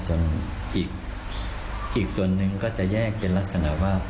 อีกส่วนหนึ่งก็จะแยกเป็นลักษณะว่า